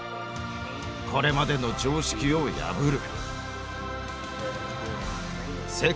これまでの常識を破る。